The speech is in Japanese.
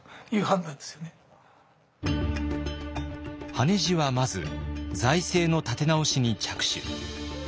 羽地はまず財政の立て直しに着手。